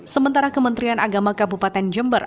sementara kementerian agama kabupaten jember